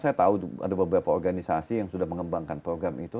saya tahu ada beberapa organisasi yang sudah mengembangkan program itu